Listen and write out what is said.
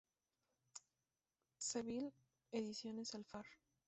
Seville: Ediciones Alfar.